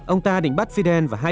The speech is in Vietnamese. ông ta định bắt fidel và hai chiến sĩ